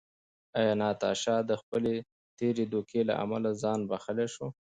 ایا ناتاشا د خپلې تېرې دوکې له امله ځان بښلی شو؟